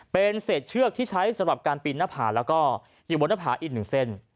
เป็นเศษเชือกที่ใช้สำหรับการปีนหน้าผาแล้วก็อยู่บนหน้าผาอีกหนึ่งเส้น